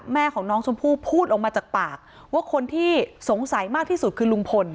แม่ของน้องชมพู่พูดออกมาจากปากว่าคนที่สงสัยมากที่สุดคือลุงพล